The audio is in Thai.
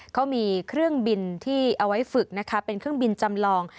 เขามีเครื่องบินที่เอาไว้ฝึกนะคะเป็นเครื่องบินจำลอง